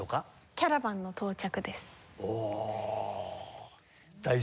『キャラバンの到着』